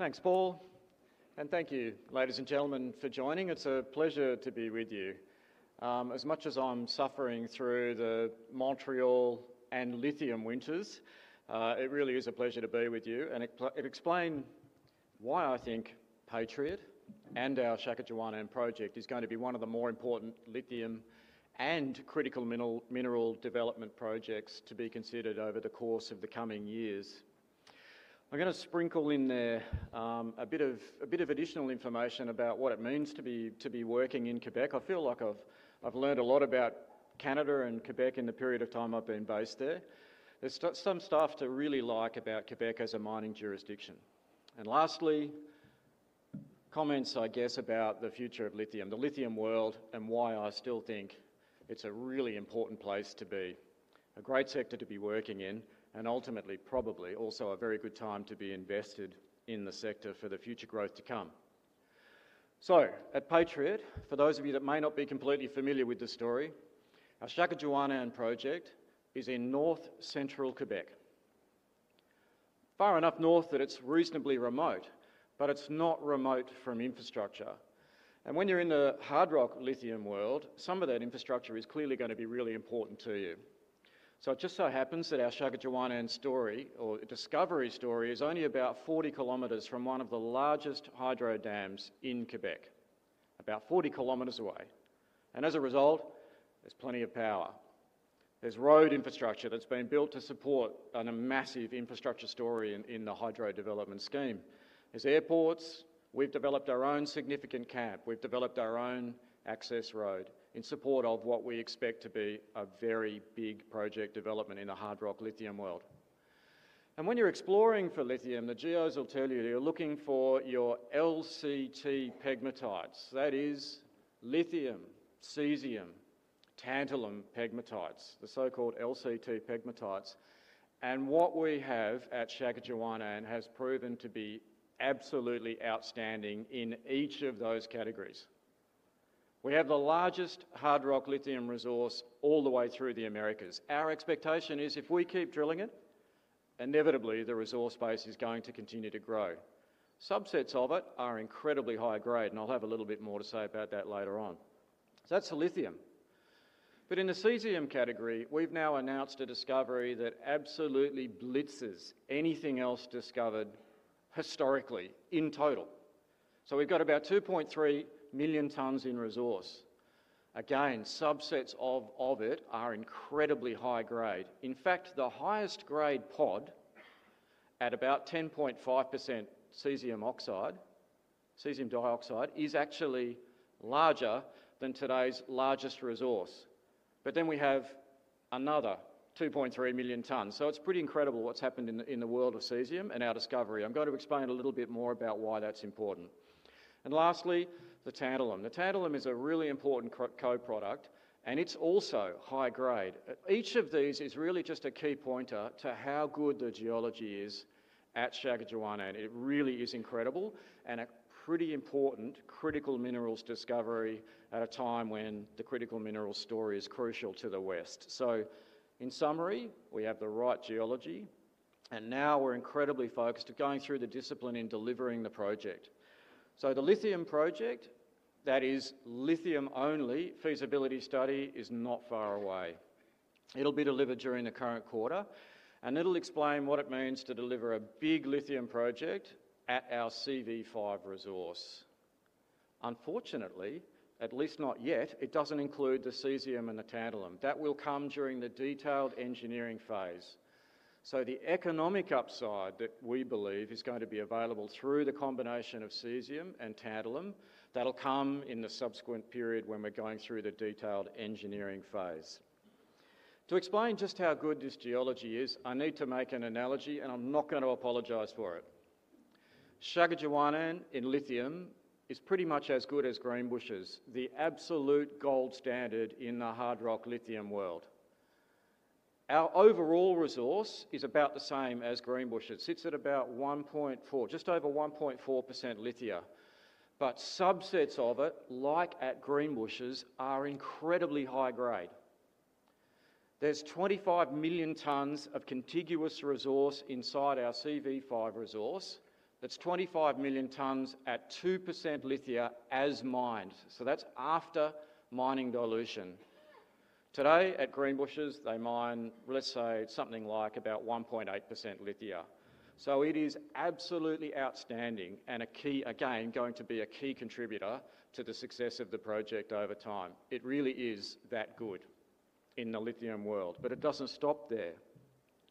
Thank you, Paul, and thank you, everyone, for joining. It's a pleasure to be with you. Although I'm enduring the Montreal and lithium winters, it truly is a pleasure to be here. This highlights why I believe Patriot and our Shaakapuuwaanaan project will be one of the most important lithium and critical mineral development projects in the coming years. I’ll also share some insights about what it means to work in Quebec. I've learned a lot about Canada and Quebec during my time there, and there are many things to appreciate about Quebec as a mining jurisdiction. Lastly, I’d like to share some comments about the future of lithium the lithium world and why I still think it’s an important place to be. It’s a great sector to work in and, ultimately, a very good time to be invested for the future growth to come. At Patriot, for those who may not be completely familiar with the story, our Shackatuwannan Project is located in north-central Quebec. It’s far enough north to be considered reasonably remote, but it’s not isolated from infrastructure. When you’re in the hard rock lithium world, having access to infrastructure is clearly very important. Fortunately, our Shaakapuuwaanaan discovery is only about 40 kilometers from one of the largest hydro dams in Quebec. As a result, there’s plenty of available power. There's road infrastructure built to support a massive hydro development scheme. There are airports, and we’ve developed our own significant camp and access road in support of what we expect to be a major project in the hard rock lithium world. When you’re exploring for lithium, the geologists will tell you that you’re looking for your LCT pegmatites that’s lithium, cesium, tantalum pegmatites. What we have at Shaakapuuwaanaan has proven to be absolutely outstanding in each of those categories. We have the largest hard rock lithium resource across the Americas, and our expectation is that if we keep drilling, the resource base will continue to grow. Some portions of it are incredibly high grade, and I’ll have a bit more to say about that later. That’s the lithium. In the cesium category, we’ve announced a discovery that surpasses anything historically found. We’ve identified about 2.3 million tonnes in resource, with subsets that are extremely high grade. In fact, the highest-grade pod, at about 10.5% cesium oxide, is larger than today’s largest resource. It’s incredible what’s happened in the world of cesium and our discovery. I’ll explain more about why that’s important. Lastly, the tantalum it’s a very important co-product, and it’s also high grade. Each of these elements highlights how exceptional the geology at Shaakapuuwaanaan truly is. It’s an incredible and significant critical minerals discovery, especially at a time when the critical minerals story is so important to the West. In summary, we have the right geology, and we’re now focused on delivering the project with discipline. The lithium-only feasibility study is not far away it will be completed during the current quarter and will outline what it means to deliver a major lithium project at our CV5 resource. For now, it doesn’t include the cesium and tantalum, but those will come during the detailed engineering phase. The economic upside we expect from the combination of cesium and tantalum will follow in that next stage. To explain how good this geology really is, I’ll make an analogy and I’m not going to apologize for it. Shaakapuuwaanaan in lithium is comparable to Greenbushes, the gold standard in the hard rock lithium world. Our overall resource is about the same around 1.4% lithia, with certain areas reaching very high grades. There are 25 million tonnes of contiguous resource inside CV5, grading at 2% lithia as mined, even after dilution. For comparison, Greenbushes mines around 1.8% lithia. It’s truly outstanding and will be a key contributor to the project’s long-term success. It really is that good in the lithium world. And it doesn’t stop there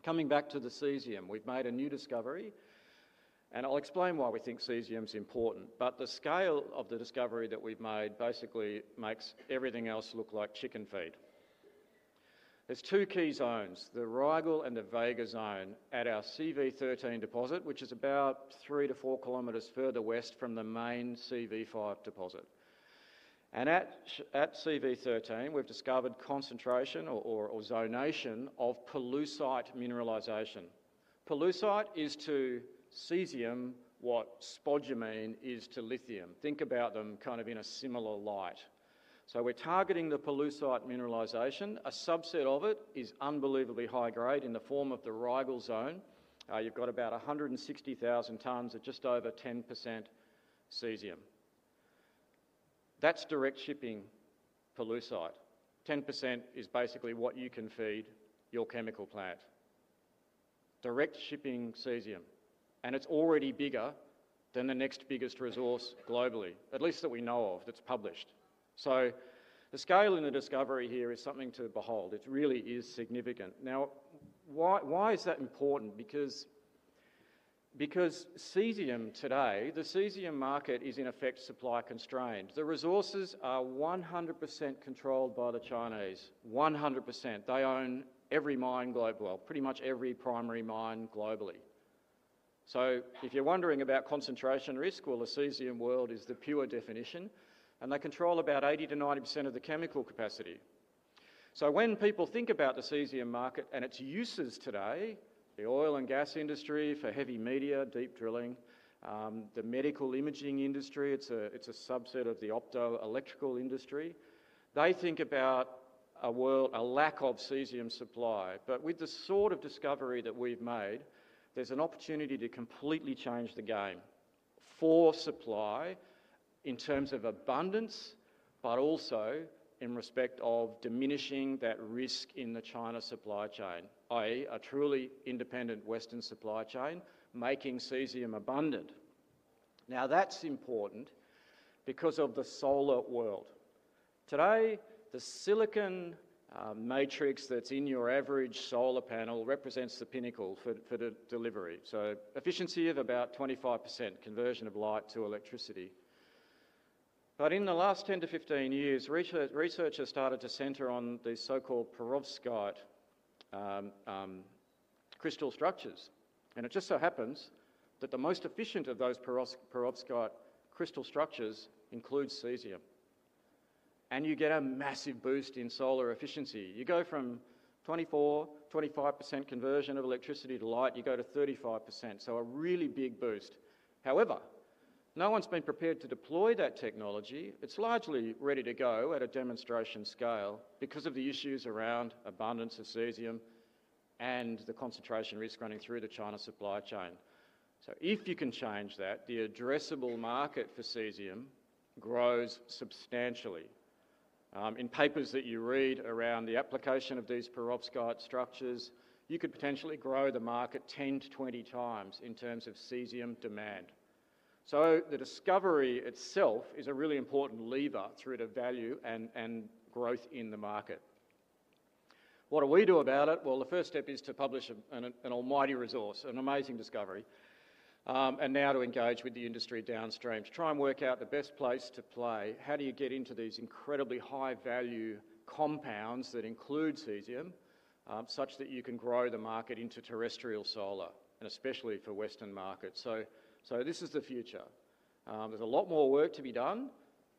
coming back to cesium, we’ve made a new discovery, and I’ll explain why we think it’s important. The scale of the discovery we’ve made makes everything else look small in comparison. There are two key zones the Rygal and the Vega zones at our CV13 deposit, which is located about three to four kilometers west of the main CV5 deposit. At CV13, we’ve identified concentrations of pollucite mineralization. Pollucite is to cesium what spodumene is to lithium you can think of them in a similar way. We’re targeting the pollucite mineralization, and a subset of it, the Rygal zone, is incredibly high grade. It contains about 160,000 tonnes at just over 10% cesium. That’s direct-shipping pollucite material that can go straight to the chemical plant. It’s already larger than the next biggest cesium resource globally, at least among published ones. The scale of this discovery is truly remarkable. It really is significant. Now, why is that important? Cesium today, the cesium market is in effect supply constrained. The resources are 100% controlled by the Chinese. 100%. They own every mine, pretty much every primary mine globally. If you're wondering about concentration risk, the cesium world is the pure definition, and they control about 80 to 90% of the chemical capacity. When people think about the cesium market and its uses today, the oil and gas industry for heavy media, deep drilling, the medical imaging industry, it's a subset of the optoelectrical industry, they think about a lack of cesium supply. With the sort of discovery that we've made, there's an opportunity to completely change the game for supply in terms of abundance, but also in respect of diminishing that risk in the China supply chain, i.e., a truly independent Western supply chain making cesium abundant. That's important because of the solar world. Today, the silicon matrix that's in your average solar panel represents the pinnacle for the delivery. Efficiency of about 25% conversion of light to electricity. In the last 10 to 15 years, researchers started to center on these so-called perovskite crystal structures. It just so happens that the most efficient of those perovskite crystal structures includes cesium. You get a massive boost in solar efficiency. You go from 24%, 25% conversion of electricity to light, you go to 35%. A really big boost. However, no one's been prepared to deploy that technology. It's largely ready to go at a demonstration scale because of the issues around abundance of cesium and the concentration risk running through the China supply chain. If you can change that, the addressable market for cesium grows substantially. In papers that you read around the application of these perovskite structures, you could potentially grow the market 10 to 20 times in terms of cesium demand. The discovery itself is a really important lever through the value and growth in the market. What do we do about it? The first step is to publish an almighty resource, an amazing discovery, and now to engage with the industry downstream to try and work out the best place to play. How do you get into these incredibly high-value compounds that include cesium, such that you can grow the market into terrestrial solar, and especially for Western markets? This is the future. There's a lot more work to be done,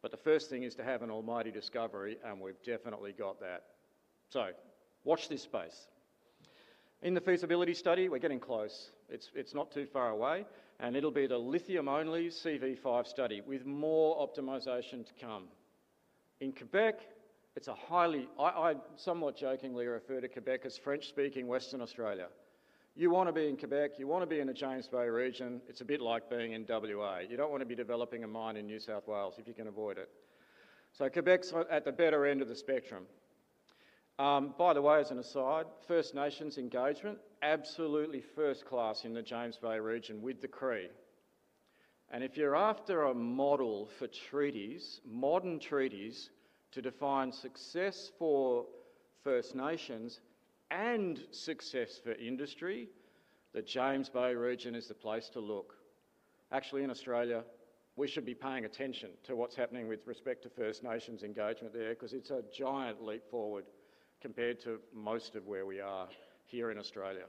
but the first thing is to have an almighty discovery, and we've definitely got that. Watch this space. In the feasibility study, we're getting close. It's not too far away, and it'll be the lithium-only CV5 study with more optimization to come. In Quebec, I somewhat jokingly refer to Quebec as French-speaking Western Australia. You want to be in Quebec, you want to be in the James Bay region, it's a bit like being in WA. You don't want to be developing a mine in New South Wales if you can avoid it. Quebec's at the better end of the spectrum. By the way, as an aside, First Nations engagement, absolutely first class in the James Bay region with the Cree. If you're after a model for treaties, modern treaties to define success for First Nations and success for industry, the James Bay region is the place to look. Actually, in Australia, we should be paying attention to what's happening with respect to First Nations engagement there because it's a giant leap forward compared to most of where we are here in Australia.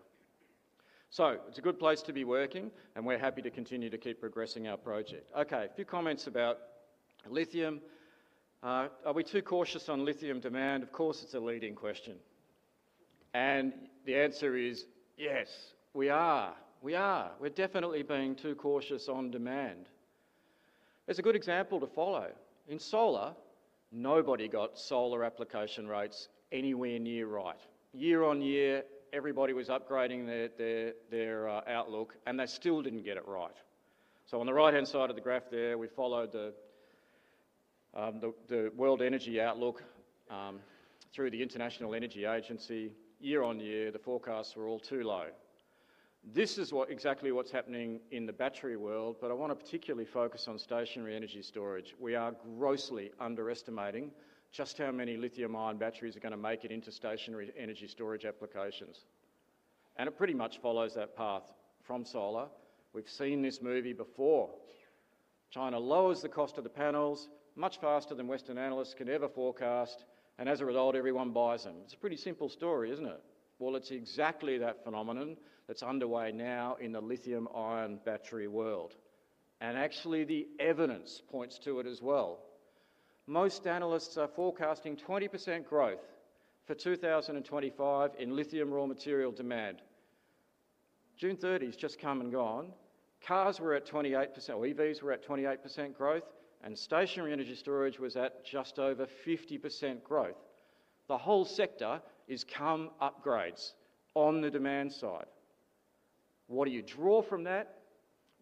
It's a good place to be working, and we're happy to continue to keep progressing our project. A few comments about lithium. Are we too cautious on lithium demand? Of course, it's a leading question. The answer is yes, we are. We are. We're definitely being too cautious on demand. There's a good example to follow. In solar, nobody got solar application rates anywhere near right. Year on year, everybody was upgrading their outlook, and they still didn't get it right. On the right-hand side of the graph there, we followed the World Energy Outlook through the International Energy Agency. Year on year, the forecasts were all too low. This is exactly what's happening in the battery world. I want to particularly focus on stationary energy storage. We are grossly underestimating just how many lithium-ion batteries are going to make it into stationary energy storage applications. It pretty much follows that path from solar. We've seen this movie before. China lowers the cost of the panels much faster than Western analysts can ever forecast, and as a result, everyone buys them. It's a pretty simple story, isn't it? It's exactly that phenomenon that's underway now in the lithium-ion battery world. Actually, the evidence points to it as well. Most analysts are forecasting 20% growth for 2025 in lithium raw material demand. June 30 has just come and gone. Cars were at 28%, or EVs were at 28% growth, and stationary energy storage was at just over 50% growth. The whole sector has come upgrades on the demand side. What do you draw from that?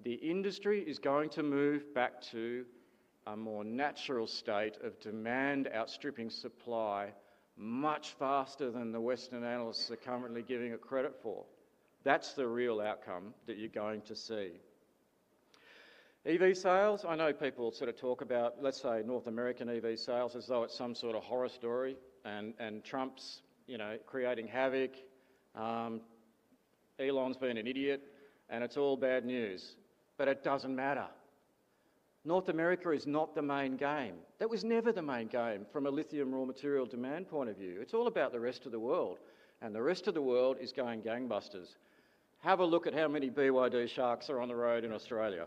The industry is going to move back to a more natural state of demand outstripping supply much faster than the Western analysts are currently giving it credit for. That's the real outcome that you're going to see. EV sales, I know people sort of talk about, let's say, North American EV sales as though it's some sort of horror story and Trump's, you know, creating havoc. Elon's been an idiot, and it's all bad news. It doesn't matter. North America is not the main game. That was never the main game from a lithium raw material demand point of view. It's all about the rest of the world. The rest of the world is going gangbusters. Have a look at how many BYD sharks are on the road in Australia.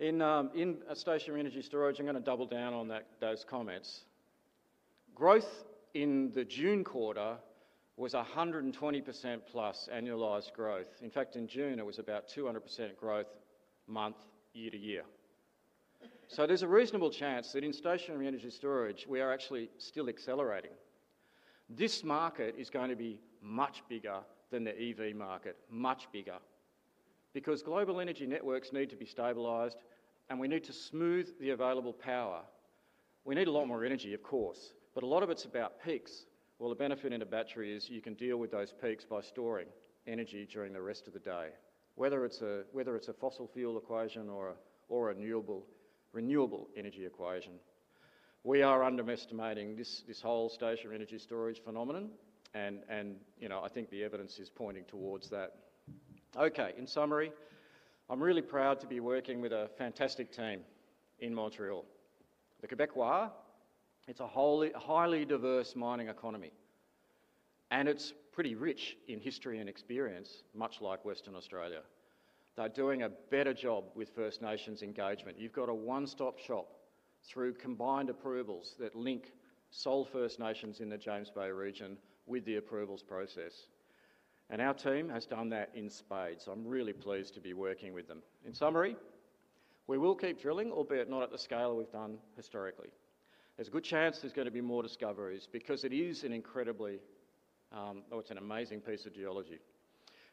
In stationary energy storage, I'm going to double down on those comments. Growth in the June quarter was 120% plus annualized growth. In fact, in June, it was about 200% growth month, year to year. There's a reasonable chance that in stationary energy storage, we are actually still accelerating. This market is going to be much bigger than the EV market, much bigger. Global energy networks need to be stabilized, and we need to smooth the available power. We need a lot more energy, of course, but a lot of it's about peaks. The benefit in a battery is you can deal with those peaks by storing energy during the rest of the day, whether it's a fossil fuel equation or a renewable energy equation. We are underestimating this whole stationary energy storage phenomenon, and I think the evidence is pointing towards that. In summary, I'm really proud to be working with a fantastic team in Montreal. The Quebecois, it's a highly diverse mining economy, and it's pretty rich in history and experience, much like Western Australia. They're doing a better job with First Nations engagement. You've got a one-stop shop through combined approvals that link sole First Nations in the James Bay region with the approvals process, and our team has done that in spades. I'm really pleased to be working with them. In summary, we will keep drilling, albeit not at the scale we've done historically. There's a good chance there's going to be more discoveries because it is an incredibly, it's an amazing piece of geology.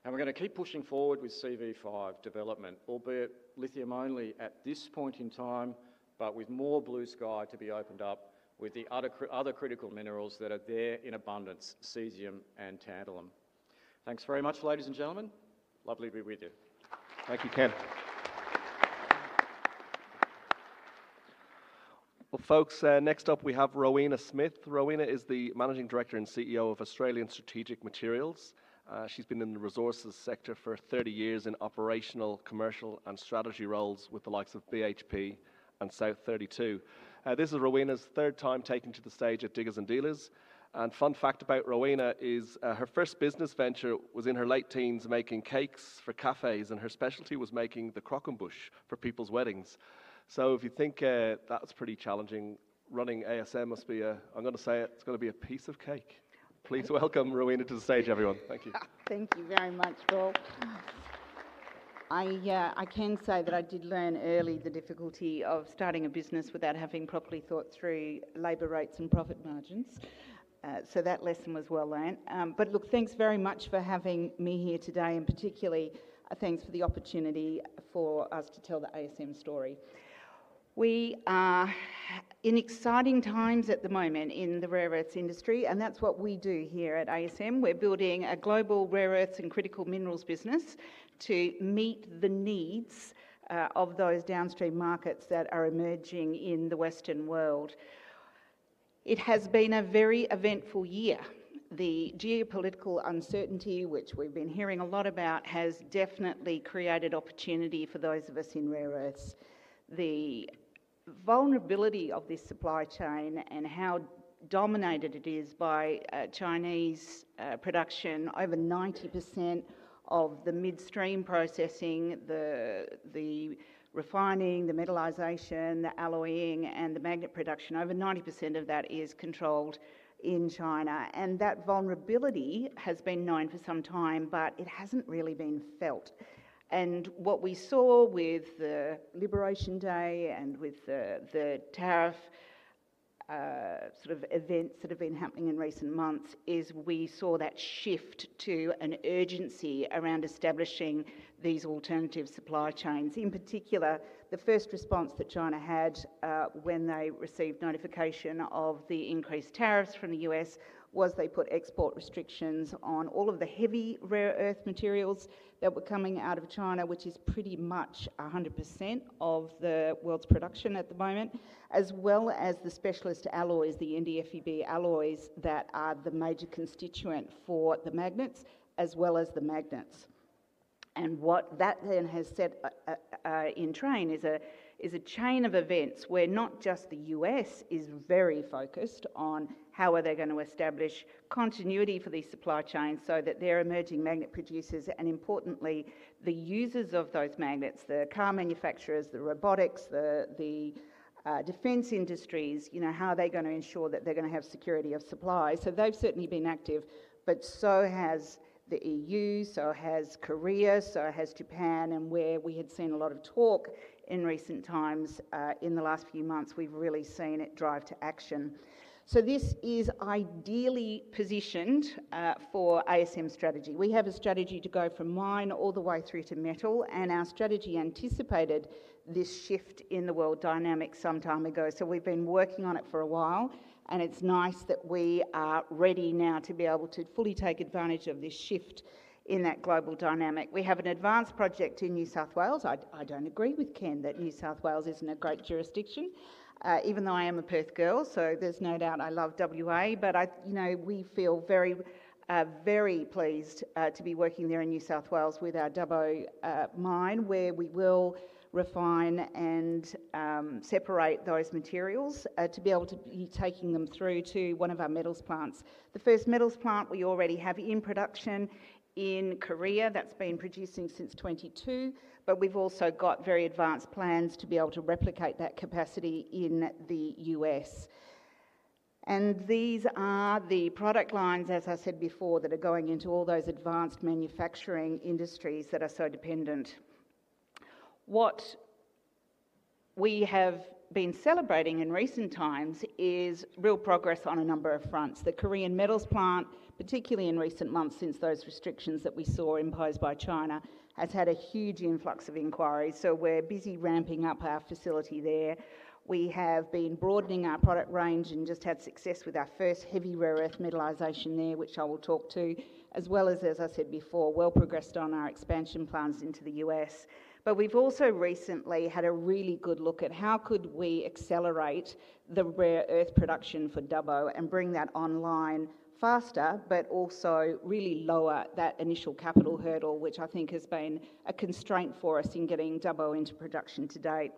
We're going to keep pushing forward with CV5 development, albeit lithium only at this point in time, but with more blue sky to be opened up with the other critical minerals that are there in abundance, cesium and tantalum. Thanks very much, ladies and gentlemen. Lovely to be with you. Thank you, Ken. Next up we have Rowena Smith. Rowena is the Managing Director and CEO of Australian Strategic Materials. She's been in the resources sector for 30 years in operational, commercial, and strategy roles with the likes of BHP and South 32. This is Rowena's third time taking to the stage at Diggers and Dealers. A fun fact about Rowena is her first business venture was in her late teens making cakes for cafes, and her specialty was making the croquembouche for people's weddings. If you think that's pretty challenging, running ASM must be, I'm going to say it, it's going to be a piece of cake. Please welcome Rowena to the stage, everyone. Thank you. Thank you very much, Paul. I can say that I did learn early the difficulty of starting a business without having properly thought through labor rates and profit margins. That lesson was well learned. Thank you very much for having me here today, and particularly thanks for the opportunity for us to tell the ASM story. We are in exciting times at the moment in the rare earths industry, and that's what we do here at ASM. We're building a global rare earths and critical minerals business to meet the needs of those downstream markets that are emerging in the Western world. It has been a very eventful year. The geopolitical uncertainty, which we've been hearing a lot about, has definitely created opportunity for those of us in rare earths. The vulnerability of this supply chain and how dominated it is by Chinese production, over 90% of the midstream processing, the refining, the metallization, the alloying, and the magnet production, over 90% of that is controlled in China. That vulnerability has been known for some time, but it hasn't really been felt. What we saw with the Liberation Day and with the tariff sort of events that have been happening in recent months is we saw that shift to an urgency around establishing these alternative supply chains. In particular, the first response that China had when they received notification of the increased tariffs from the U.S. was they put export restrictions on all of the heavy rare earth materials that were coming out of China, which is pretty much 100% of the world's production at the moment, as well as the specialist alloys, the NDFEB alloys that are the major constituent for the magnets, as well as the magnets. What that then has set in train is a chain of events where not just the U.S. is very focused on how are they going to establish continuity for these supply chains so that they're emerging magnet producers and, importantly, the users of those magnets, the car manufacturers, the robotics, the defense industries, you know, how are they going to ensure that they're going to have security of supply. They've certainly been active, but so has the EU, so has Korea, so has Japan, and where we had seen a lot of talk in recent times, in the last few months, we've really seen it drive to action. This is ideally positioned for ASM strategy. We have a strategy to go from mine all the way through to metal, and our strategy anticipated this shift in the world dynamic some time ago. We've been working on it for a while, and it's nice that we are ready now to be able to fully take advantage of this shift in that global dynamic. We have an advanced project in New South Wales. I don't agree with Ken that New South Wales isn't a great jurisdiction, even though I am a Perth girl, so there's no doubt I love WA. We feel very, very pleased to be working there in New South Wales with our Dubbo mine, where we will refine and separate those materials to be able to be taking them through to one of our metals plants. The first metals plant we already have in production in Korea that's been producing since 2022, but we've also got very advanced plans to be able to replicate that capacity in the United States. These are the product lines, as I said before, that are going into all those advanced manufacturing industries that are so dependent. What we have been celebrating in recent times is real progress on a number of fronts. The Korean metals plant, particularly in recent months since those restrictions that we saw imposed by China, has had a huge influx of inquiries, so we're busy ramping up our facility there. We have been broadening our product range and just had success with our first heavy rare earth metallisation there, which I will talk to, as well as, as I said before, well progressed on our expansion plans into the United States. We've also recently had a really good look at how we could accelerate the rare earth production for Dubbo and bring that online faster, but also really lower that initial capital hurdle, which I think has been a constraint for us in getting Dubbo into production to date.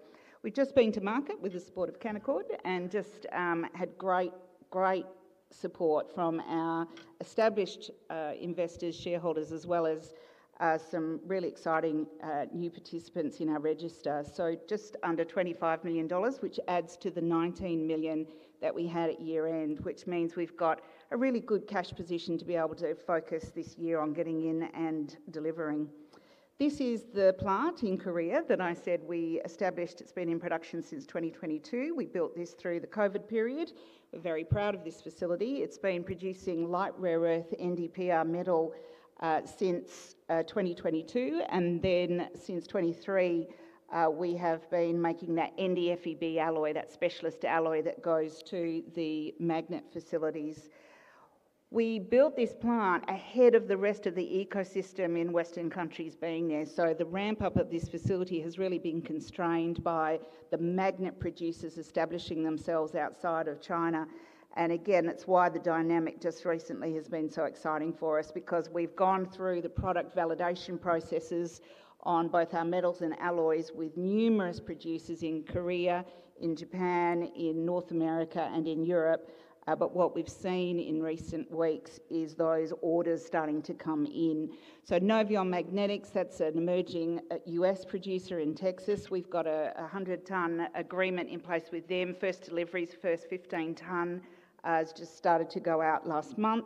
We've just been to market with the support of Canaccord and just had great, great support from our established investors, shareholders, as well as some really exciting new participants in our register. Just under $25 million, which adds to the $19 million that we had at year-end, which means we've got a really good cash position to be able to focus this year on getting in and delivering. This is the plant in Korea that I said we established. It's been in production since 2022. We built this through the COVID period. We're very proud of this facility. It's been producing light rare earth NDPR metal since 2022, and then since 2023, we have been making that NDFEB alloy, that specialist alloy that goes to the magnet facilities. We built this plant ahead of the rest of the ecosystem in Western countries being there, so the ramp-up at this facility has really been constrained by the magnet producers establishing themselves outside of China. That's why the dynamic just recently has been so exciting for us because we've gone through the product validation processes on both our metals and alloys with numerous producers in Korea, in Japan, in North America, and in Europe. What we've seen in recent weeks is those orders starting to come in. Novion Magnetics, that's an emerging U.S. producer in Texas. We've got a 100-ton agreement in place with them. First deliveries, first 15 tonnes, has just started to go out last month.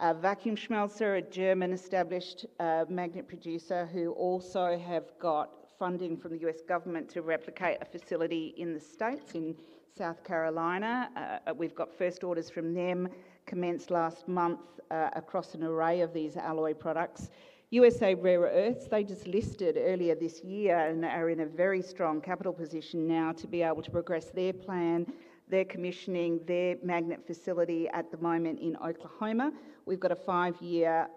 Vacuumschmelze, a German-established magnet producer who also has got funding from the U.S. government to replicate a facility in the States in South Carolina. We've got first orders from them commenced last month across an array of these alloy products. USA Rare Earth, they just listed earlier this year and are in a very strong capital position now to be able to progress their plan, their commissioning, their magnet facility at the moment in Oklahoma. We've got a five-year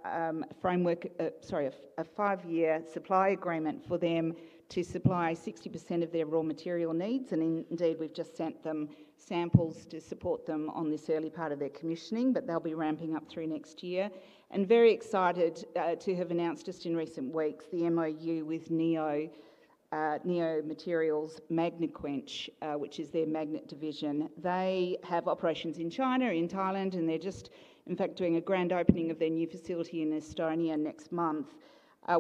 framework, sorry, a five-year supply agreement for them to supply 60% of their raw material needs. Indeed, we've just sent them samples to support them on this early part of their commissioning, but they'll be ramping up through next year. Very excited to have announced just in recent weeks the MOU with Neo Performance Materials, MagnaQuench, which is their magnet division. They have operations in China, in Thailand, and they're just, in fact, doing a grand opening of their new facility in Estonia next month.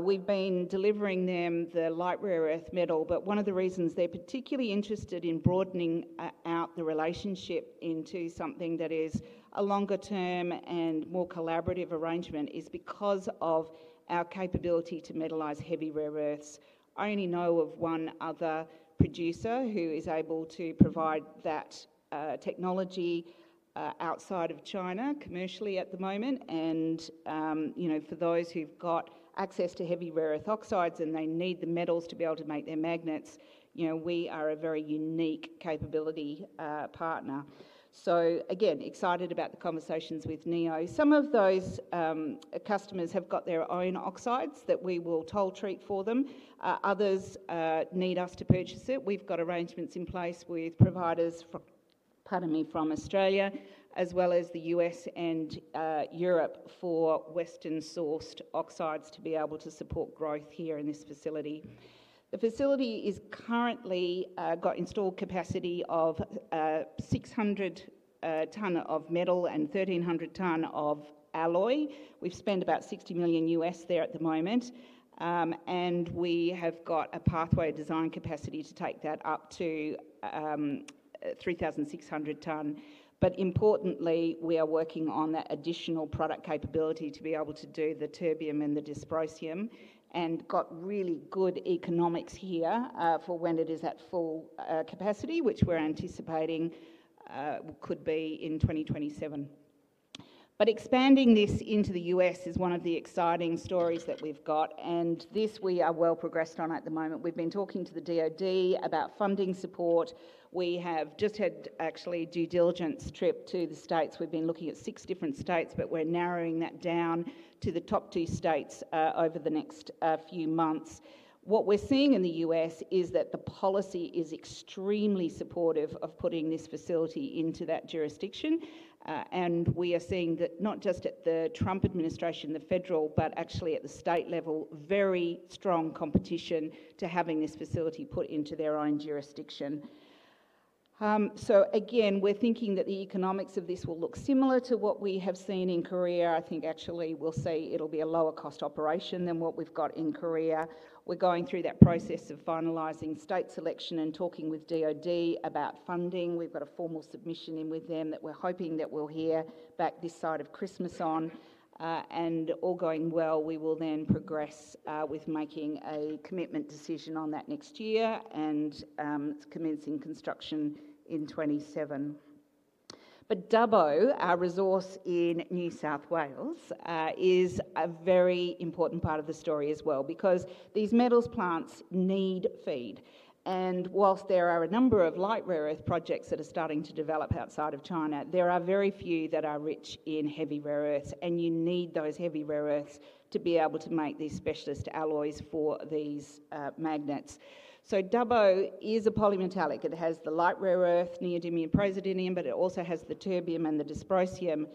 We've been delivering them the light rare earth metal, but one of the reasons they're particularly interested in broadening out the relationship into something that is a longer-term and more collaborative arrangement is because of our capability to metallize heavy rare earths. I only know of one other producer who is able to provide that technology outside of China commercially at the moment. For those who've got access to heavy rare earth oxides and they need the metals to be able to make their magnets, we are a very unique capability partner. Excited about the conversations with Neo. Some of those customers have got their own oxides that we will toll-treat for them. Others need us to purchase it. We've got arrangements in place with providers from Australia, as well as the U.S. and Europe for Western-sourced oxides to be able to support growth here in this facility. The facility has currently got installed capacity of 600 tonnes of metal and 1,300 tonnes of alloy. We've spent about $60 million U.S. there at the moment. We have got a pathway design capacity to take that up to 3,600 tonnes. Importantly, we are working on that additional product capability to be able to do the terbium and the dysprosium and got really good economics here for when it is at full capacity, which we're anticipating could be in 2027. Expanding this into the U.S. is one of the exciting stories that we've got. We are well progressed on this at the moment. We've been talking to the DOD about funding support. We have just had actually a due diligence trip to the States. We've been looking at six different states, but we're narrowing that down to the top two states over the next few months. What we're seeing in the U.S. is that the policy is extremely supportive of putting this facility into that jurisdiction. We are seeing that not just at the federal, but actually at the state level, very strong competition to having this facility put into their own jurisdiction. Again, we're thinking that the economics of this will look similar to what we have seen in Korea. I think actually we'll see it'll be a lower cost operation than what we've got in Korea. We're going through that process of finalizing state selection and talking with DOD about funding. We've got a formal submission in with them that we're hoping that we'll hear back this side of Christmas on. All going well, we will then progress with making a commitment decision on that next year, and it's commencing construction in 2027. Dubbo, our resource in New South Wales, is a very important part of the story as well because these metals plants need feed. Whilst there are a number of light rare earth projects that are starting to develop outside of China, there are very few that are rich in heavy rare earths. You need those heavy rare earths to be able to make these specialist alloys for these magnets. Dubbo is a polymetallic. It has the light rare earth, neodymium praseodymium, but it also has the terbium and the dysprosium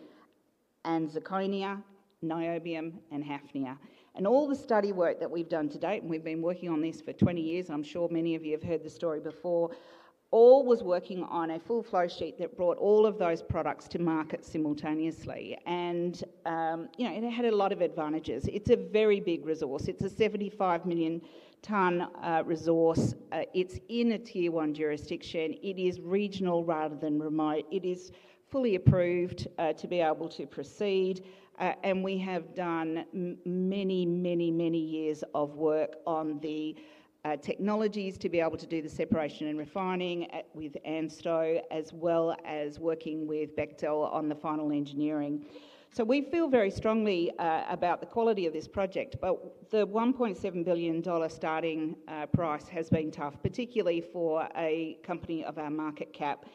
and zirconia, niobium, and hafnia. All the study work that we've done to date, and we've been working on this for 20 years, and I'm sure many of you have heard the story before, all was working on a full flow sheet that brought all of those products to market simultaneously. It had a lot of advantages. It's a very big resource. It's a 75 million-ton resource. It's in a Tier 1 jurisdiction. It is regional rather than remote. It is fully approved to be able to proceed. We have done many, many, many years of work on the technologies to be able to do the separation and refining with ANSTO, as well as working with Bechtel on the final engineering. We feel very strongly about the quality of this project. The $1.7 billion starting price has been tough, particularly for a company of our market cap.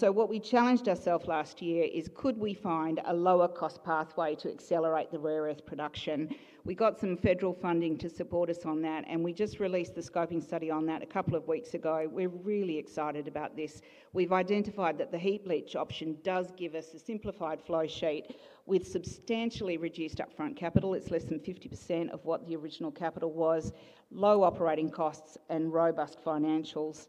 What we challenged ourselves last year is could we find a lower cost pathway to accelerate the rare earth production? We got some federal funding to support us on that, and we just released the scoping study on that a couple of weeks ago. We're really excited about this. We've identified that the heat leach option does give us a simplified flow sheet with substantially reduced upfront capital. It's less than 50% of what the original capital was, low operating costs, and robust financials.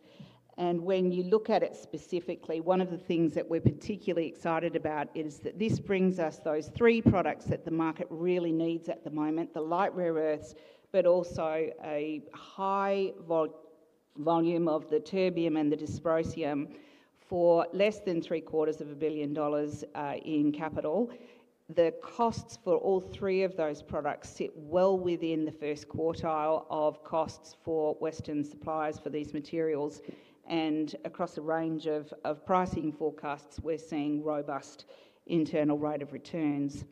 When you look at it specifically, one of the things that we're particularly excited about is that this brings us those three products that the market really needs at the moment, the light rare earths, but also a high volume of the terbium and the dysprosium for less than three quarters of a billion dollars in capital. The costs for all three of those products sit well within the first quartile of costs for Western suppliers for these materials. Across a range of pricing forecasts, we're seeing robust internal rate of returns.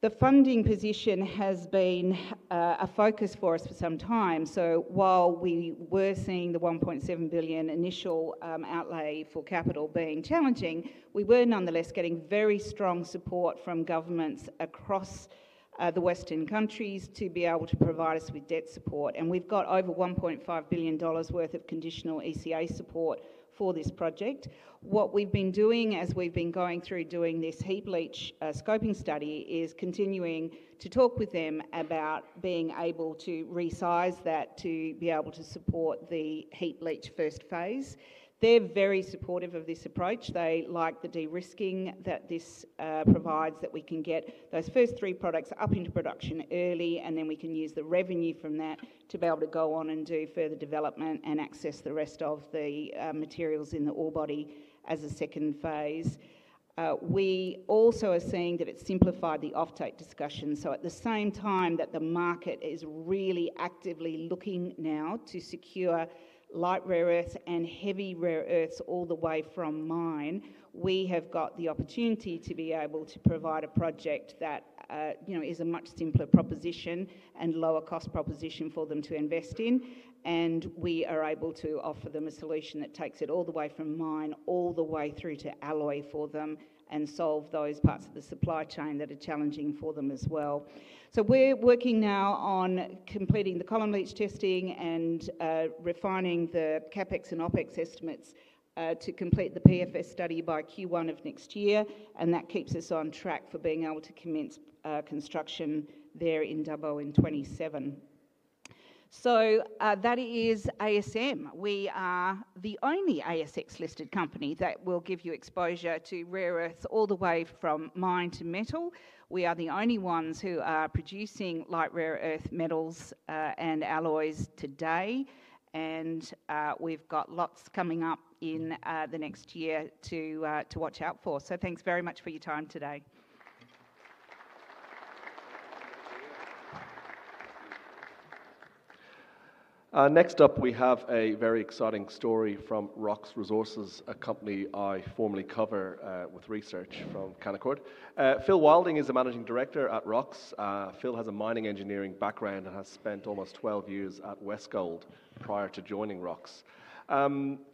The funding position has been a focus for us for some time. While we were seeing the $1.7 billion initial outlay for capital being challenging, we were nonetheless getting very strong support from governments across the Western countries to be able to provide us with debt support. We've got over $1.5 billion worth of conditional ECA support for this project. What we've been doing as we've been going through doing this heat leach scoping study is continuing to talk with them about being able to resize that to be able to support the heat leach first phase. They're very supportive of this approach. They like the de-risking that this provides, that we can get those first three products up into production early, and then we can use the revenue from that to be able to go on and do further development and access the rest of the materials in the ore body as a second phase. We also are seeing that it's simplified the offtake discussion. At the same time that the market is really actively looking now to secure light rare earths and heavy rare earths all the way from mine, we have got the opportunity to be able to provide a project that, you know, is a much simpler proposition and lower cost proposition for them to invest in. We are able to offer them a solution that takes it all the way from mine all the way through to alloy for them and solve those parts of the supply chain that are challenging for them as well. We're working now on completing the common leach testing and refining the CapEx and OpEx estimates to complete the PFS study by Q1 of next year. That keeps us on track for being able to commence construction there in Dubbo in 2027. That is ASM. We are the only ASX-listed company that will give you exposure to rare earths all the way from mine to metal. We are the only ones who are producing light rare earth metals and alloys today. We've got lots coming up in the next year to watch out for. Thanks very much for your time today. Next up, we have a very exciting story from Rox Resources, a company I formerly covered with research from Canaccord. Phil Wilding is the Managing Director at Rox. Phil has a mining engineering background and has spent almost 12 years at Westgold prior to joining Rox.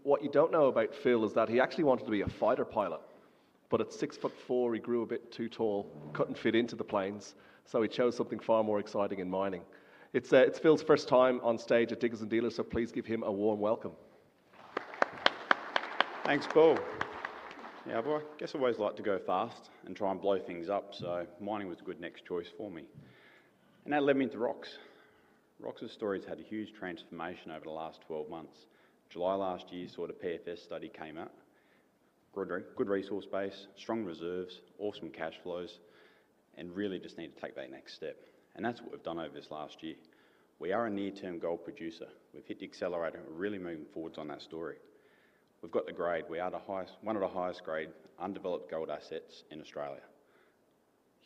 What you don't know about Phil is that he actually wanted to be a fighter pilot, but at 6'4", he grew a bit too tall, couldn't fit into the planes, so he chose something far more exciting in mining. It's Phil's first time on stage at Diggers and Dealers, so please give him a warm welcome. Thanks, Paul. Yeah, I guess I've always liked to go fast and try and blow things up, so mining was the good next choice for me. That led me to Rox. Rox's story's had a huge transformation over the last 12 months. July last year, I saw the PFS study came out. Good resource base, strong reserves, awesome cash flows, and really just need to take that next step. That's what we've done over this last year. We are a near-term gold producer. We've hit the accelerator. We're really moving forwards on that story. We've got the grade. We are one of the highest-grade, undeveloped gold assets in Australia.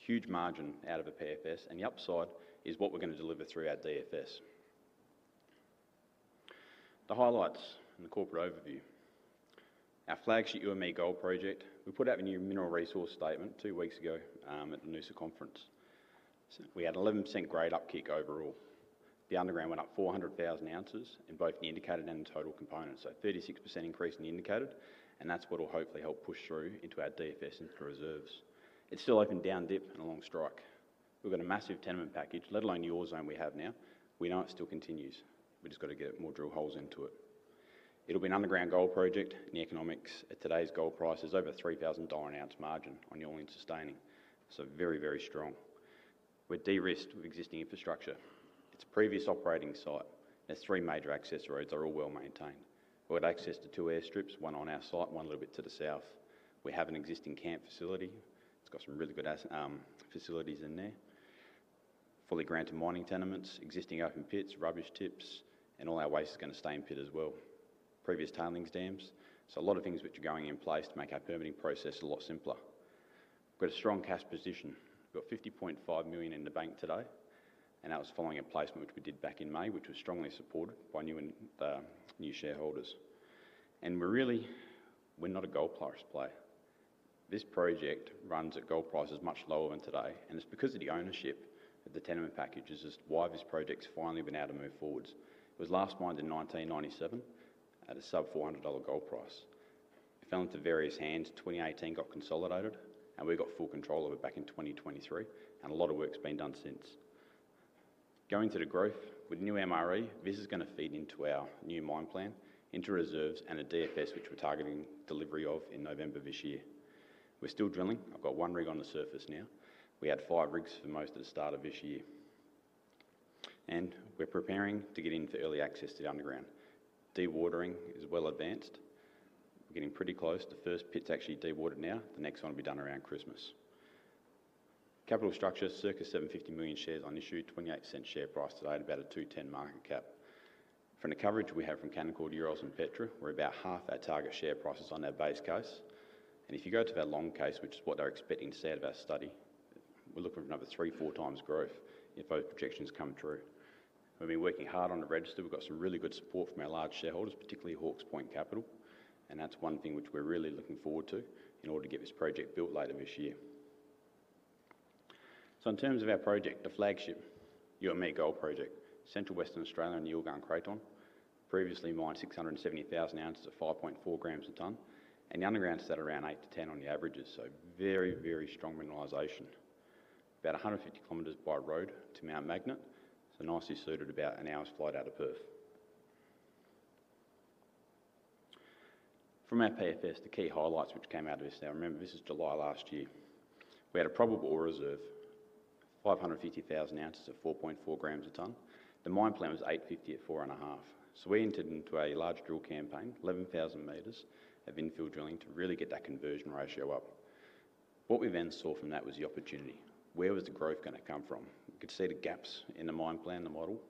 Huge margin out of the PFS, and the upside is what we're going to deliver through our DFS. The highlights in the corporate overview. Our flagship UME Gold Project, we put out a new mineral resource statement two weeks ago at the Noosa conference. We had an 11% grade upkeep overall. The underground went up 400,000 ounces in both the indicated and the total components, so a 36% increase in the indicated, and that's what will hopefully help push through into our DFS into the reserves. It's still open down dip and along strike. We've got a massive tenement package, let alone the oil zone we have now. We know it still continues. We just got to get more drill holes into it. It'll be an underground gold project, and the economics at today's gold price is over a $3,000 an ounce margin on your only sustaining. Very, very strong. We're de-risked with existing infrastructure. It's a previous operating site. There are three major access roads that are all well maintained. We've got access to two airstrips, one on our site, one a little bit to the south. We have an existing camp facility. It's got some really good facilities in there. Fully granted mining tenements, existing open pits, rubbish tips, and all our waste is going to stay in pit as well. Previous tailings dams, so a lot of things which are going in place to make our permitting process a lot simpler. We've got a strong cash position. We've got $50.5 million in the bank today, and that was following a placement which we did back in May, which was strongly supported by new shareholders. We're really, we're not a gold price play. This project runs at gold prices much lower than today, and it's because of the ownership of the tenement packages is why this project's finally been able to move forwards. It was last mined in 1997 at a sub $400 gold price. It fell into various hands. 2018 got consolidated, and we got full control of it back in 2023, and a lot of work's been done since. Going to the growth, with new MRE, this is going to feed into our new mine plan, into reserves, and a DFS which we're targeting delivery of in November of this year. We're still drilling. I've got one rig on the surface now. We had five rigs for most at the start of this year. We're preparing to get into early access to the underground. De-watering is well advanced. We're getting pretty close. The first pit's actually de-watered now. The next one will be done around Christmas. Capital structure, circa 750 million shares on issue, $0.28 share price today at about a $210 million market cap. From the coverage we have from Canaccord, Urals, and Petra, we're about half our target share prices on their base case. If you go to their long case, which is what they're expecting to say out of our study, we're looking for another three, four times growth if those projections come true. We've been working hard on the register. We've got some really good support from our large shareholders, particularly Hawkes Point Capital, and that's one thing which we're really looking forward to in order to get this project built later this year. In terms of our project, the flagship UME Gold Project, Central Western Australia and the Yulgan Craton, previously mined 670,000 ounces at 5.4 grams a ton, and the underground's at around 8 to 10 on the averages, so very, very strong mineralisation. About 150 kilometers by road to Mount Magnet, so nicely suited about an hour's flight out of Perth. From our PFS, the key highlights which came out of this now, remember this is July last year. We had a probable ore reserve, 550,000 ounces at 4.4 grams a ton. The mine plan was 850 at four and a half. We entered into a large drill campaign, 11,000 meters of infill drilling to really get that conversion ratio up. What we then saw from that was the opportunity. Where was the growth going to come from? Conceded gaps in the mine plan, the model.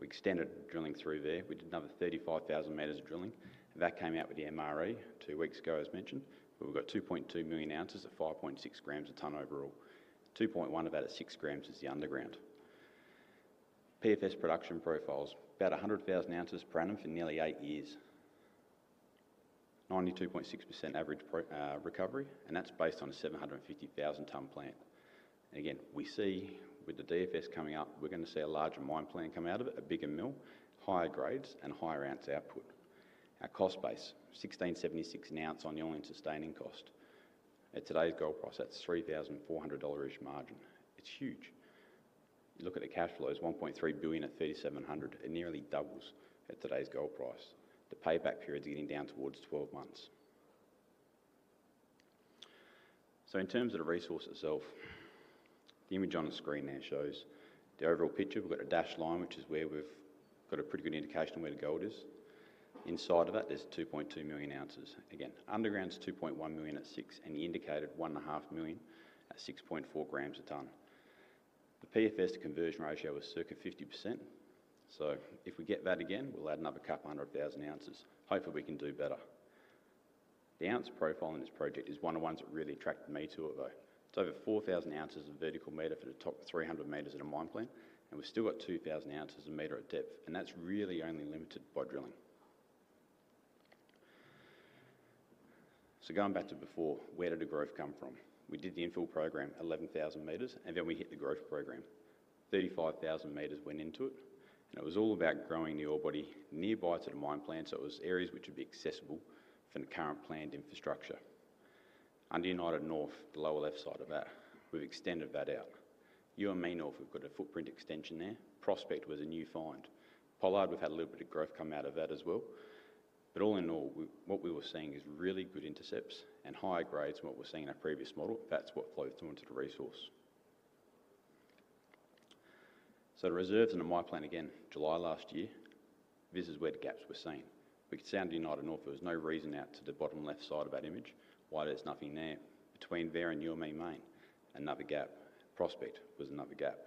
We extended drilling through there. We did another 35,000 meters of drilling. That came out with the MRE two weeks ago, as mentioned, but we've got 2.2 million ounces at 5.6 grams a ton overall. 2.1 about six grams is the underground. PFS production profiles, about 100,000 ounces per annum for nearly eight years. 92.6% average recovery, and that's based on a 750,000 ton plant. Again, we see with the DFS coming up, we're going to see a larger mine plan coming out of it, a bigger mill, higher grades, and higher ounce output. Our cost base, $16.76 an ounce on the only sustaining cost. At today's gold price, that's $3,400-ish margin. It's huge. You look at the cash flows, $1.3 billion at $1,700. It nearly doubles at today's gold price. The payback period's getting down towards 12 months. In terms of the resource itself, the image on the screen there shows the overall picture. We've got a dashed line, which is where we've got a pretty good indication of where the gold is. Inside of that, there's 2.2 million ounces. Again, underground's 2.1 million at six and the indicated one and a half million at 6.4 grams a ton. The PFS to conversion ratio was circa 50%. If we get that again, we'll add another couple hundred thousand ounces. Hopefully, we can do better. The ounce profile in this project is one of the ones that really attracted me to it, though. It's over 4,000 ounces of vertical meter for the top 300 meters in a mine plan, and we've still got 2,000 ounces of meter at depth, and that's really only limited by drilling. Going back to before, where did the growth come from? We did the infill program, 11,000 meters, and then we hit the growth program. 35,000 meters went into it, and it was all about growing the ore body nearby to the mine plan, so it was areas which would be accessible from the current planned infrastructure. Under United North, the lower left side of that, we've extended that out. UME North, we've got a footprint extension there. Prospect was a new find. Pollard, we've had a little bit of growth come out of that as well. All in all, what we were seeing is really good intercepts and higher grades than what we're seeing in our previous model. That's what flows through into the resource. The reserves in the mine plan again, July last year, this is where the gaps were seen. We could sound United North, there was no reason out to the bottom left side of that image why there's nothing there. Between there and UME Main, another gap. Prospect was another gap.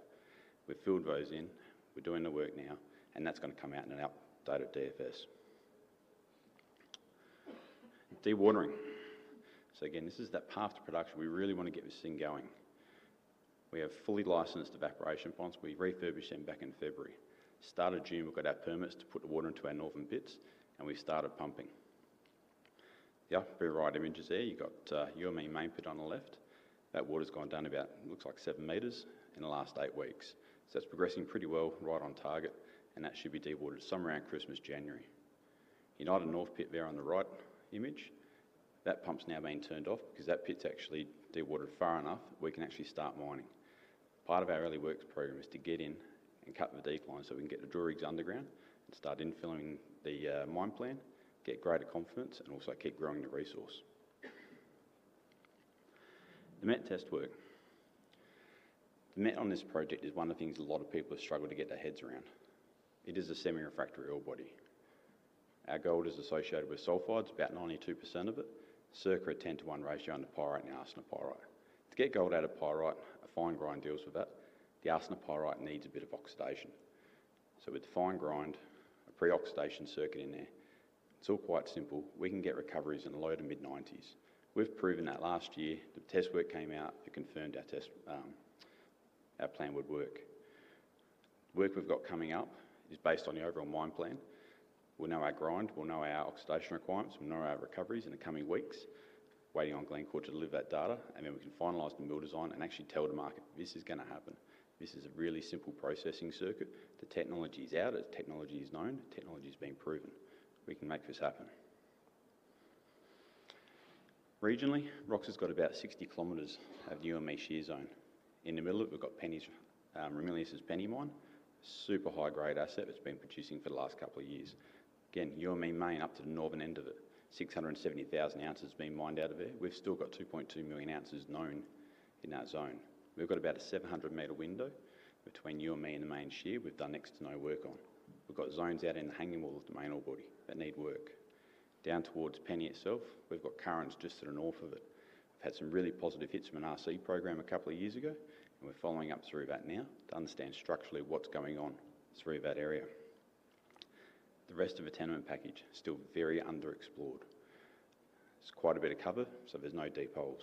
We filled those in. We're doing the work now, and that's going to come out in an updated DFS. De-watering. This is that path to production. We really want to get this thing going. We have fully licensed evaporation ponds. We refurbished them back in February. Started June, we've got our permits to put the water into our northern pits, and we started pumping. The upper right image is there. You've got UME Main pit on the left. That water's gone down about, looks like seven meters in the last eight weeks. That's progressing pretty well, right on target, and that should be de-watered somewhere around Christmas, January. United North pit there on the right image, that pump's now being turned off because that pit's actually de-watered far enough that we can actually start mining. Part of our early works program is to get in and cut the deep line so we can get the drill rigs underground and start infilling the mine plan, get greater confidence, and also keep growing the resource. The met test work. The met on this project is one of the things a lot of people have struggled to get their heads around. It is a semi-refractory ore body. Our gold is associated with sulphides, about 92% of it, circa a 10 to 1 ratio under pyrite and arsenic pyrite. To get gold out of pyrite, a fine grind deals with that. The arsenic pyrite needs a bit of oxidation. With the fine grind, a pre-oxidation circuit in there, it's all quite simple. We can get recoveries in the low to mid-90%. We've proven that last year, the test work came out, it confirmed our plan would work. Work we've got coming up is based on the overall mine plan. We'll know our grind, we'll know our oxidation requirements, we'll know our recoveries in the coming weeks. Waiting on Glencore to deliver that data, and then we can finalize the mill design and actually tell the market, this is going to happen. This is a really simple processing circuit. The technology is out, as technology is known, technology's been proven. We can make this happen. Regionally, Rox has got about 60 kilometers of UME shear zone. In the middle of it, we've got Penny's Remilius's Penny mine, a super high-grade asset it's been producing for the last couple of years. UME Main up to the northern end of it, 670,000 ounces being mined out of there. We've still got 2.2 million ounces known in that zone. We've got about a 700-meter window between UME and the main shear we've done next to no work on. We've got zones out in the hanging wall of the main ore body that need work. Down towards Penny itself, we've got currents just to the north of it. We've had some really positive hits from an RC program a couple of years ago, and we're following up through that now to understand structurally what's going on through that area. The rest of the tenement package is still very underexplored. There's quite a bit of cover, so there's no deep holes.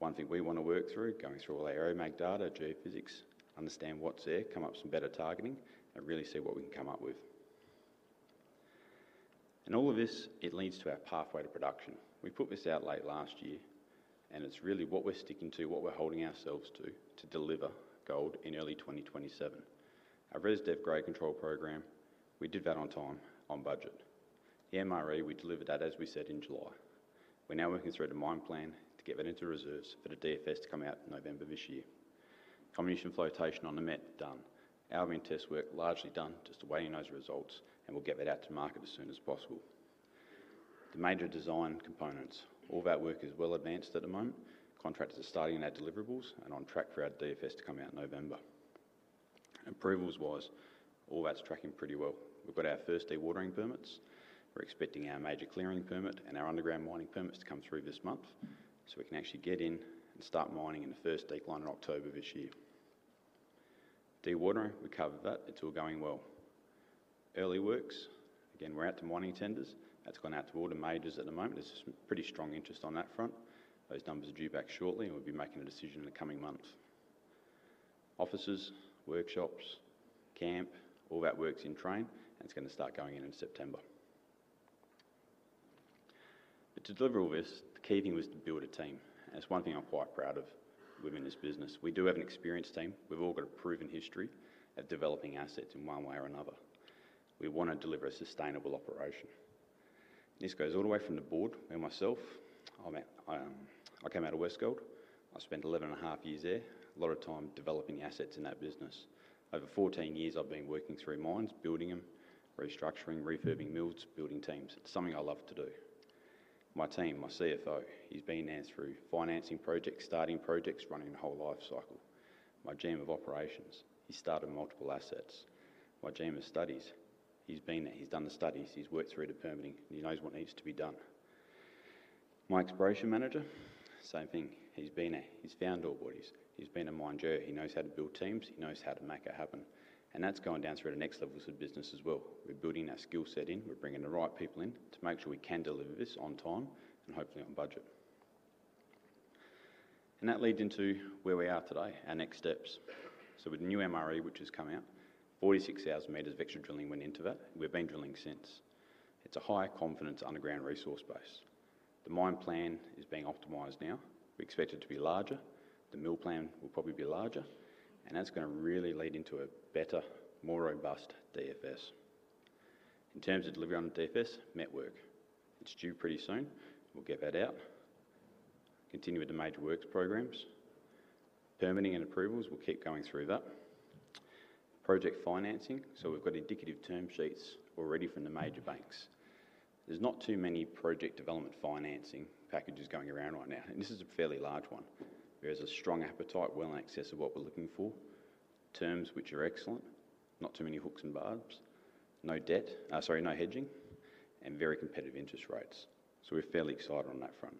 One thing we want to work through, going through all our aeromag data, geophysics, understand what's there, come up with some better targeting, and really see what we can come up with. All of this leads to our pathway to production. We put this out late last year, and it's really what we're sticking to, what we're holding ourselves to, to deliver gold in early 2027. Our res dev grade control program, we did that on time, on budget. The MRE, we delivered that as we said in July. We're now working through the mine plan to get that into reserves for the DFS to come out in November this year. Combination flotation on the met done. Alvin test work largely done, just awaiting those results, and we'll get that out to market as soon as possible. The major design components, all that work is well advanced at the moment. Contractors are starting our deliverables and on track for our DFS to come out in November. Approvals-wise, all that's tracking pretty well. We've got our first de-watering permits. We're expecting our major clearing permit and our underground mining permits to come through this month, so we can actually get in and start mining in the first deep line in October of this year. De-watering, we covered that. It's all going well. Early works, again, we're out to mining tenders. That's gone out to all the majors at the moment. There's some pretty strong interest on that front. Those numbers are due back shortly, and we'll be making a decision in the coming months. Offices, workshops, camp, all that work's in train, and it's going to start going in in September. To deliver all this, the key thing was to build a team, and that's one thing I'm quite proud of within this business. We do have an experienced team. We've all got a proven history at developing assets in one way or another. We want to deliver a sustainable operation. This goes all the way from the board where myself, I mean, I came out of Westgold. I spent 11 and a half years there, a lot of time developing assets in that business. Over 14 years, I've been working through mines, building them, restructuring, refurbing mills, building teams. It's something I love to do. My team, my CFO, he's been there through financing projects, starting projects, running the whole life cycle. My GM of Operations, he's started multiple assets. My GM of Studies, he's been there, he's done the studies, he's worked through the permitting, and he knows what needs to be done. My Exploration Manager, same thing, he's been there, he's found ore bodies, he's been a mine manager, he knows how to build teams, he knows how to make it happen, and that's going down through the next levels of business as well. We're building our skill set in, we're bringing the right people in to make sure we can deliver this on time and hopefully on budget. That leads into where we are today, our next steps. With the new MRE which has come out, 46,000 meters of extra drilling went into that, and we've been drilling since. It's a high confidence underground resource base. The mine plan is being optimized now. We expect it to be larger. The mill plan will probably be larger, and that's going to really lead into a better, more robust DFS. In terms of delivering on the DFS, met work. It's due pretty soon. We'll get that out. Continue with the major works programs. Permitting and approvals, we'll keep going through that. Project financing, so we've got indicative term sheets already from the major banks. There's not too many project development financing packages going around right now, and this is a fairly large one. There is a strong appetite, well in excess of what we're looking for. Terms which are excellent. Not too many hooks and barbs. No debt, sorry, no hedging, and very competitive interest rates. We're fairly excited on that front.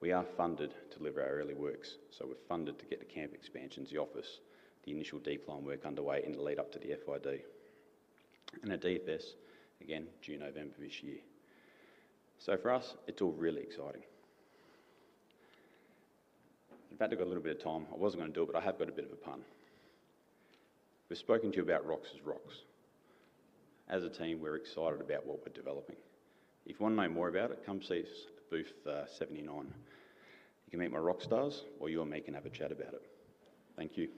We are funded to deliver our early works, so we're funded to get the camp expansions, the office, the initial deep line work underway in the lead-up to the FID. Our DFS, again, June, November of this year. For us, it's all really exciting. I'm about to go a little bit of time. I wasn't going to do it, but I have got a bit of a pun. We've spoken to you about Rox's Rocks. As a team, we're excited about what we're developing. If you want to know more about it, come see us at Booth 79. You can meet my Rock Stars or you and me can have a chat about it. Thank you.